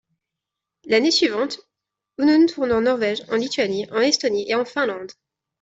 L'année suivante, Unun tourne en Norvège, en Lituanie, en Estonie et en Finlande.